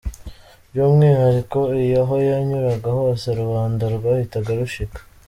By’umwihariko iyi aho yanyuraga hose rubanda rwahitaga rushika.